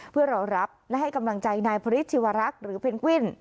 เพื่อรอรับและให้กำลังใจนายพระฤทธิวรักษ์หรือเพนกวิน